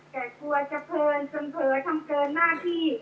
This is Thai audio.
แต่กลัวจะเพลินจนเผลอทำเกินหน้าที่